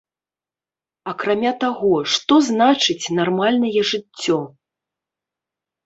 Акрамя таго, што значыць нармальнае жыццё?